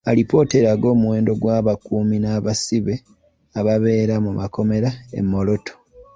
Alipoota eraga omuwendo gw'abakuumi n'abasibe ababeera mukkomera e Moroto.